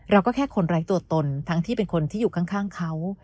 เราก็แค่คนไร้ตัวตนทั้งที่เป็นคนที่อยู่ข้างเขา